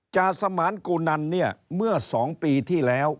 จาสมานกุนันเนี่ยเมื่อ๒ปีที่แล้ว